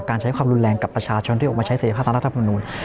การใช้ความรุนแรงกับประชาชนที่ออกมาใช้เสร็จภาพรัฐธรรมนุน